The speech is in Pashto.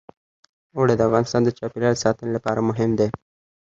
اوړي د افغانستان د چاپیریال ساتنې لپاره مهم دي.